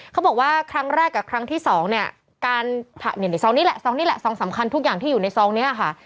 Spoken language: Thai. เขาบอกว่าครั้งแรกกับครั้งที่๒เนี่ยซองนี้แหละซองสำคัญทุกอย่างที่อยู่ในซองนี้ค่ะ